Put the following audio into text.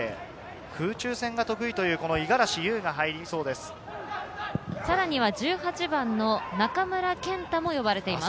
空中戦が得意という五十嵐悠が入りそうです。